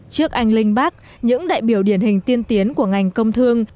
trước anh linh bác những đại biểu điển hình tiên tiến của ngành công thương